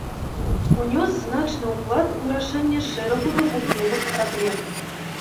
Унёс значны ўклад у рашэнне шэрагу навуковых праблем.